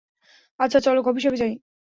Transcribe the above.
আচ্ছা, চলো কফিশপে যাই।